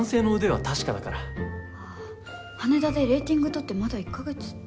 羽田でレーティング取ってまだ１カ月って。